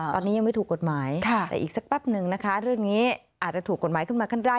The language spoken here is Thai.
ตอนนี้ยังไม่ถูกกฎหมายแต่อีกสักแป๊บนึงนะคะเรื่องนี้อาจจะถูกกฎหมายขึ้นมาขึ้นได้